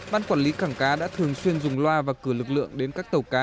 bán quản lý cảng cá đã thường xuyên dùng loa và cửa lực lượng đến các tàu cá